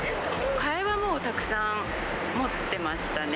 替えはもうたくさん持ってましたね。